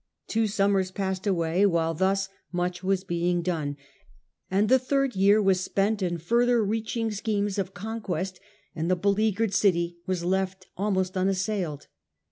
Two summers passed away while thus much was being done, and the third year was spent in further reaching schemes of conquest, and the beleaguered city was left almost unassailed.